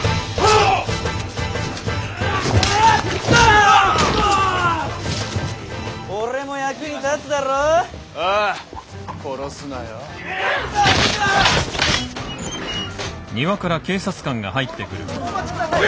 お待ちください。